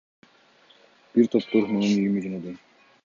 Бир топтору менин үйүмө жөнөдү.